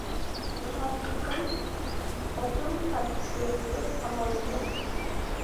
مۇھەببىتىڭ ئوقنىڭ پارچىسى، تۇرۇپ قالغان يۈرەك قېتىمدا.